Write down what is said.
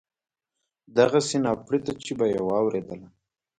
دغسې ناپړېته چې به یې واورېدله.